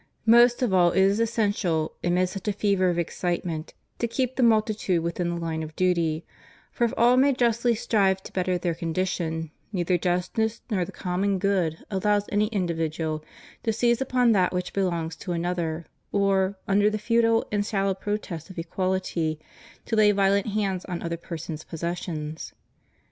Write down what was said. Most of all it is essential, amid such a fever of excitement, to keep the multitude within the hne of duty; for if aU may justly strive to better their condition, neither justice nor the common good allows any individual to seize upon that which belongs to another, or, under the futile aiid shallow pretext of equality, to lay violent hands on other people's possessions.